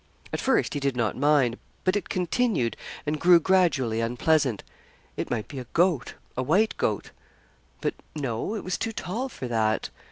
At first he did not mind; but it continued, and grew gradually unpleasant. It might be a goat, a white goat; but no, it was too tall for that.